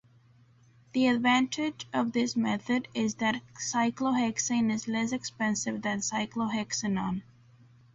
The advantage of this method is that cyclohexane is less expensive than cyclohexanone.